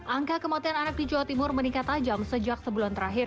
angka kematian anak di jawa timur meningkat tajam sejak sebulan terakhir